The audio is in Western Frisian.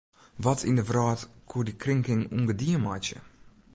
Wat yn de wrâld koe dy krinking ûngedien meitsje?